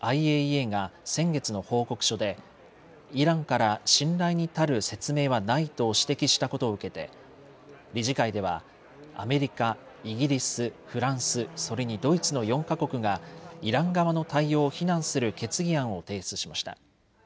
ＩＡＥＡが先月の報告書でイランから信頼に足る説明はないと指摘したことを受けて理事会ではアメリカ、イギリス、フランス、それにドイツの４か国がイラン側の対応を非難する決議案を提出しました。